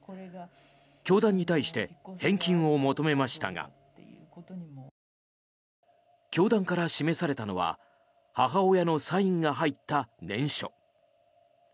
教団に対して返金を求めましたが教団から示されたのは母親のサインが入った念書。